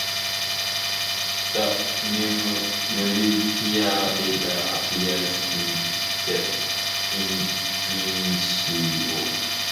The Nullifier later appears in the Infinity War.